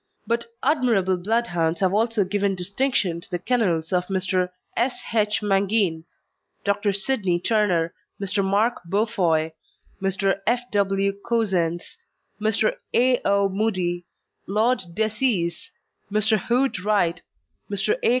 But admirable Bloodhounds have also given distinction to the kennels of Mr. S. H. Mangin, Dr. Sidney Turner, Mr. Mark Beaufoy, Mr. F. W. Cousens, Mr. A. O. Mudie, Lord Decies, Mr. Hood Wright, Mr. A.